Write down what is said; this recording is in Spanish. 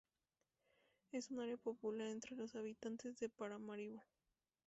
Es un área popular entre los habitantes de Paramaribo.